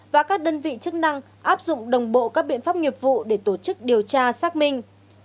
và các đơn vị chức năng áp dụng đồng bộ các biện pháp nghiệp vụ để tổ chức điều tra xác minh